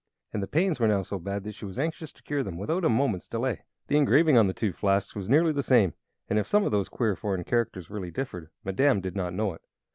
And the pains were now so bad that she was anxious to cure them without a moment's delay. The engraving on the two flasks was nearly the same; and if some of those queer foreign characters really differed, Madame did not know it.